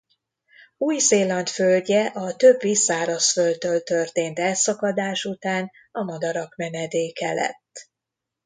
Új-Zéland földje a többi szárazföldtől történt elszakadás után a madarak menedéke lett.